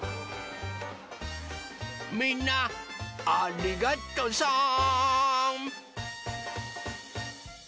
みんなありがとさん！